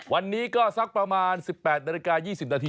วันนี้ก็สักประมาณ๑๘นาฬิกา๒๐นาที